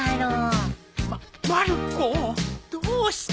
ままる子どうした。